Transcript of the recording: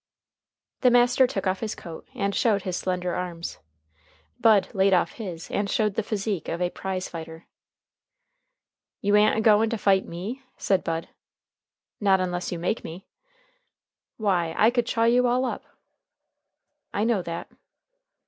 The master took off his coat and showed his slender arms. Bud laid his off, and showed the physique of a prize fighter. "You a'n't a goin to fight me?" said Bud. "Not unless you make me." "Why I could chaw you all up." "I know that."